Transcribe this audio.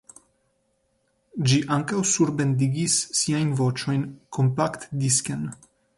Ĝi ankaŭ surbendigis siajn voĉojn kompaktdisken.